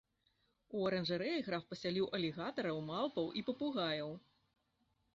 У аранжарэі граф пасяліў алігатараў, малпаў і папугаяў.